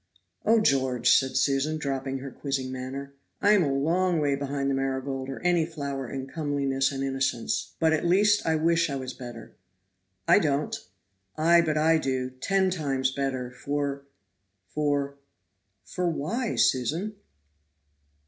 "Oh, George," said Susan, dropping her quizzing manner, "I am a long way behind the marigold or any flower in comeliness and innocence, but at least I wish I was better." "I don't." "Ay, but I do, ten times better, for for " "For why, Susan?"